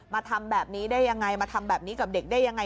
ทำแบบนี้ได้ยังไงมาทำแบบนี้กับเด็กได้ยังไง